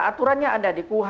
aturannya ada di kuh